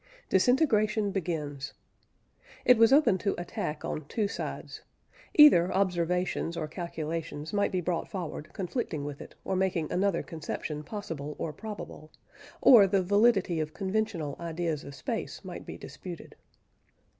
DISINTEGRATION BEGINS. It was open to attack on two sides. Either observations or calculations might be brought forward, conflicting with it, or making another conception possible or probable: Or the validity of conventional ideas of space might be disputed.